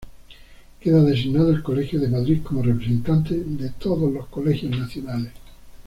Queda designado el colegio de Madrid como representante de todos los colegios nacionales.